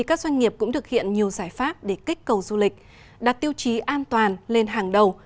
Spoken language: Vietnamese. các doanh nghiệp cũng thực hiện nhiều giải pháp để kích cầu du lịch đặt tiêu chí an toàn lên hàng đầu